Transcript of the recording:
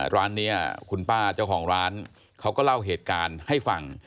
ร้านนี้คุณป้าเจ้าของร้านเขาก็เล่าเหตุการณ์ให้ฟัง